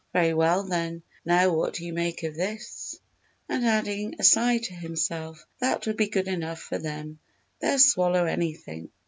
Very well then, now what do you make of this?" And adding aside to himself: "That will be good enough for them; they'll swallow anything."